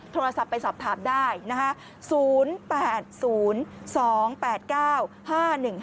โทรศัพท์ไปสอบถามได้นะฮะ